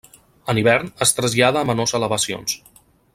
En hivern es trasllada a menors elevacions.